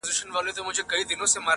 په هغه شپه مي نیمګړی ژوند تمام وای-